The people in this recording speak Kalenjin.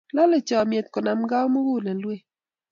Lolei chomyet konamkei mugulelwek